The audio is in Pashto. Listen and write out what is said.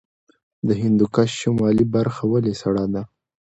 د هندوکش شمالي برخه ولې سړه ده؟